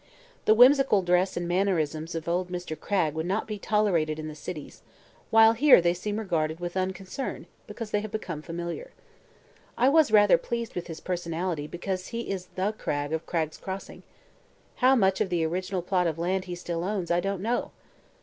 The whimsical dress and mannerisms of old Mr. Cragg would not be tolerated in the cities, while here they seem regarded with unconcern because they have become familiar. I was rather, pleased with his personality because he is the Cragg of Cragg's Crossing. How much of the original plot of land he still owns I don't know."